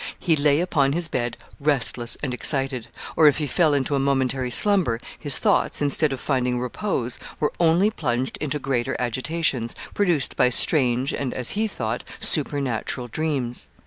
He lay upon his bed restless and excited, or if he fell into a momentary slumber, his thoughts, instead of finding repose, were only plunged into greater agitations, produced by strange, and, as he thought, supernatural dreams.